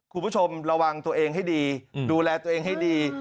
คุณผู้ชมระวังตัวเองให้ดีดูแลตัวเองให้ดี